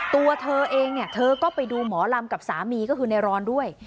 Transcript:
ตัวเธอเองเนี่ยเธอก็ไปดูหมอลำกับสามีก็คือในรอนด้วย